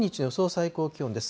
最高気温です。